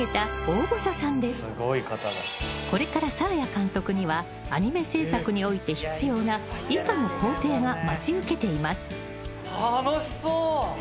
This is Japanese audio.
［これからサーヤ監督にはアニメ制作において必要な以下の工程が待ち受けています］